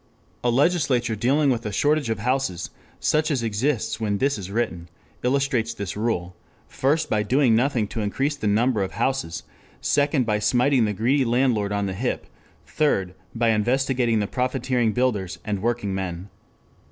A legislature dealing with a shortage of houses, such as exists when this is written, illustrates this rule, first by doing nothing to increase the number of houses, second by smiting the greedy landlord on the hip, third by investigating the profiteering builders and working men.